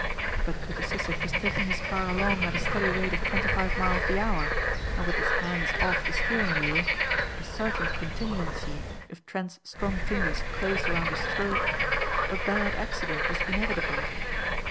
But Peter Sissek was taking his car along at a steady rate of twenty five miles the hour and with his hands off the steering wheel a certain contingency if Trent's strong fingers closed around his throat a bad accident was inevitable.